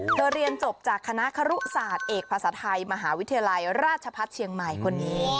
เรียนจบจากคณะครุศาสตร์เอกภาษาไทยมหาวิทยาลัยราชพัฒน์เชียงใหม่คนนี้